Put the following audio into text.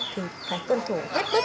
thì phải cân thủ hết bức